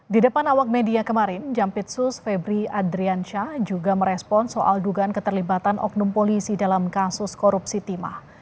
di depan awak media kemarin jampitsus febri adriansyah juga merespon soal dugaan keterlibatan oknum polisi dalam kasus korupsi timah